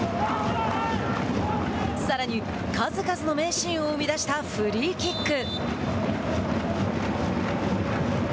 さらに数々の名シーンを生み出したフリーキック。